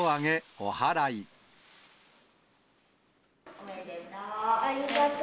おめでとう。